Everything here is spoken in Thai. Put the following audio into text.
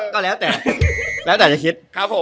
ก็แล้วแต่แล้วแต่จะคิด